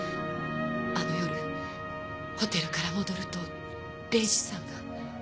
あの夜ホテルから戻ると礼司さんが。